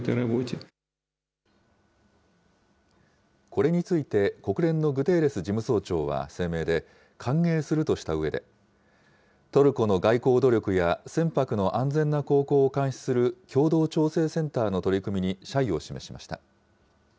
これについて国連のグテーレス事務総長は声明で、歓迎するとしたうえで、トルコの外交努力や船舶の安全な航行を監視する共同調整センターの取り組みに謝意を示しました。